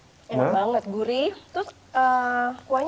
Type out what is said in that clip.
terus kuahnya betul betul ya